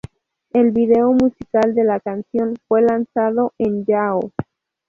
El video musical de la canción fue lanzado en Yahoo!